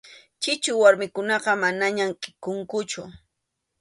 Chichu warmikunaqa manaña kʼikunkuchu.